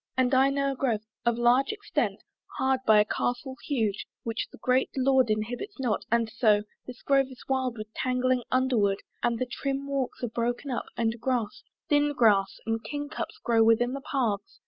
And I know a grove Of large extent, hard by a castle huge Which the great lord inhabits not: and so This grove is wild with tangling underwood, And the trim walks are broken up, and grass, Thin grass and king cups grow within the paths.